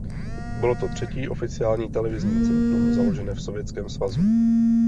Bylo to třetí oficiální televizní centrum založené v Sovětském svazu.